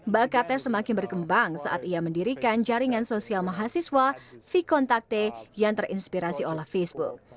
bakatnya semakin berkembang saat ia mendirikan jaringan sosial mahasiswa vkontakte yang terinspirasi oleh facebook